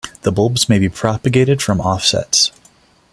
The bulbs may be propagated from offsets.